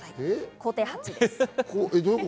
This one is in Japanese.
工程８です。